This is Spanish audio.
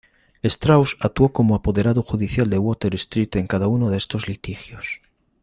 Strauss actuó como apoderado judicial de Water Street en cada uno de estos litigios.